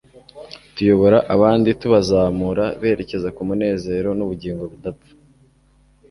tuyobora abandi tubazamura berekeza ku munezero n'ubugingo budapfa